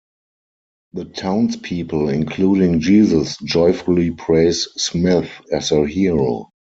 The townspeople, including Jesus, joyfully praise Smith as a hero.